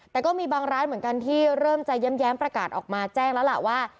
แต่ก็มีบางร้านเหมือนกันที่เริ่มจะแย้มประกาศออกมาแจ้งแล้วล่ะว่า